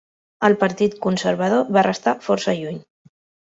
El Partit Conservador va restar força lluny.